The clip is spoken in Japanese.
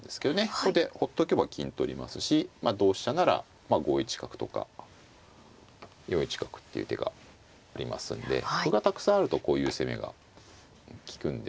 ここでほっとけば金取りますし同飛車なら５一角とか４一角っていう手がありますんで歩がたくさんあるとこういう攻めが利くんですけど。